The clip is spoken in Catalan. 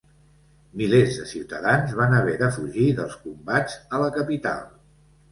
Milers de ciutadans van haver de fugir dels combats a la capital.